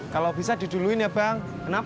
kalau bisa diduluin ya bang